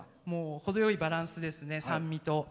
もう程よいバランスですね酸味と。